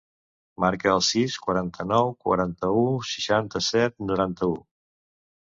Marca el sis, quaranta-nou, quaranta-u, seixanta-set, noranta-u.